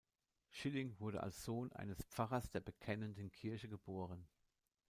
Schilling wurde als Sohn eines Pfarrers der Bekennenden Kirche geboren.